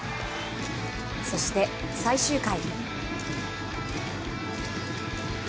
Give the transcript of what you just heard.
そして最終回。